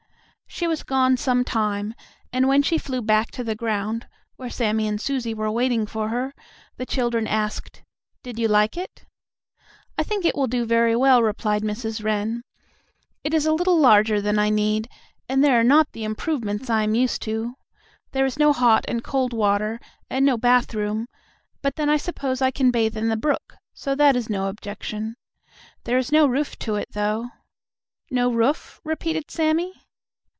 She was gone some time, and when she flew back to the ground, where Sammie and Susie were waiting for her, the children asked: "Did you like it?" "I think it will do very well," replied Mrs. Wren. "It is a little larger than I need, and there are not the improvements I am used to. There is no hot and cold water and no bathroom, but then I suppose I can bathe in the brook, so that is no objection. There is no roof to it, though." "No roof?" repeated Sammie.